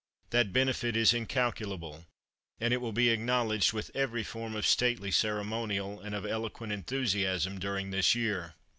That benefit is incalculable, and it will be acknowledged with every form of stately ceremonial and of eloquent enthusiasm during this year.